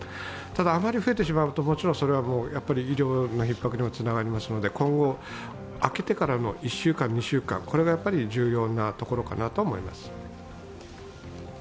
ただ、あまり増えてしまうともちろんそれは医療にひっ迫にもつながりますので今後、明けてからの１週間、２週間が重要なところかと思います。